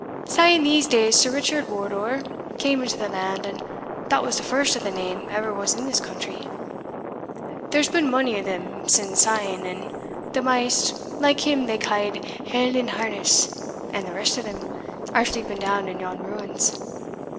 "Sae in these days Sir Richard Wardour came into the land, and that was the first o' the name ever was in this country. There's been mony o' them sin' syne; and the maist, like him they ca'd Hell in Harness, and the rest o' them, are sleeping down in yon ruins.